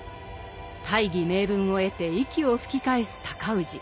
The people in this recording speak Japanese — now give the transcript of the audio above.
大義名分を得て息を吹き返す尊氏。